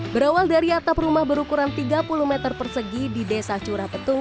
berawal dari atap rumah berukuran tiga puluh meter persegi di desa curah petung